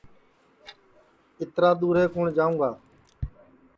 اِترا دُؔورے کُوٹؔ جاؤں گا